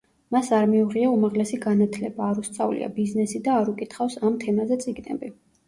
მას არ მიუღია უმაღლესი განათლება, არ უსწავლია ბიზნესი და არ უკითხავს ამ თემაზე წიგნები.